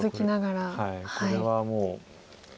これはもう。